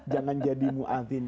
jangan jadi mu'adhin